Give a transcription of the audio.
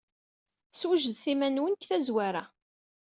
Swejdet iman-nwen seg tazwara.